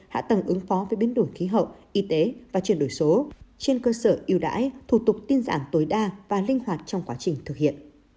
hạ tầng ứng phó với biến đổi khí hậu y tế và chuyển đổi số trên cơ sở yêu đãi thủ tục tin giảm tối đa và linh hoạt trong quá trình thực hiện